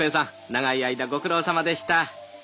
長い間ご苦労さまでした」。